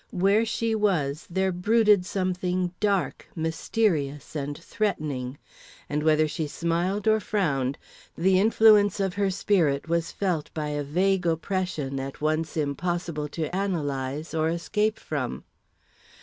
Where she was, there brooded something dark, mysterious, and threatening; and whether she smiled or frowned, the influence of her spirit was felt by a vague oppression at once impossible to analyze or escape from.